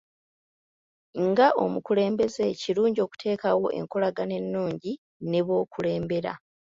Nga omukulembeze, kirungi okuteekawo enkolagana ennungi ne b'okulembera.